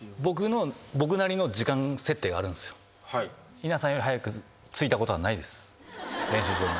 稲さんより早く着いたことはないです練習場に。